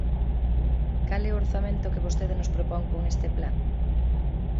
¿Cal é o orzamento que vostede nos propón con este plan?